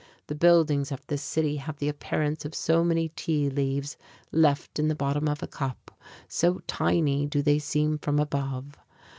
The buildings of this city have the appearance of so many tea leaves left in the bottom of a cup, so tiny do they seem from above.